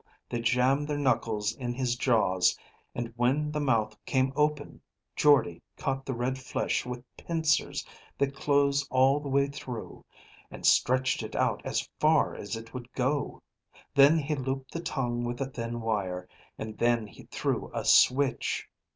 They jammed their knuckles in his jaws and when the mouth came open, Jordde caught the red flesh with pincers that closed all the way through, and stretched it out as far as it would go. Then he looped the tongue with a thin wire, and then he threw a switch.